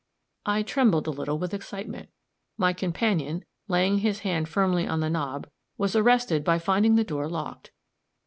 I trembled a little with excitement. My companion, laying his hand firmly on the knob, was arrested by finding the door locked.